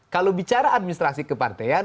kalau bicara administrasi kepartean